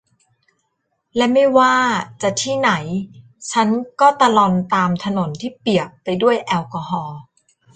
และไม่ว่าจะที่ไหนฉันก็ตะลอนตามถนนที่เปียกไปด้วยแอลกอฮอล์